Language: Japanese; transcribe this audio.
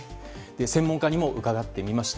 専門家にも伺ってみました。